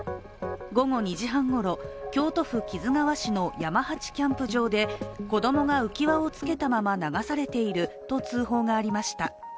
午後２時半ごろ、京都府木津川市の山八キャンプ場で子供が浮き輪をつけたまま流されていると通報がありました。